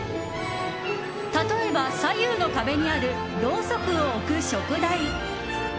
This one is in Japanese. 例えば、左右の壁にあるろうそくを置く燭台。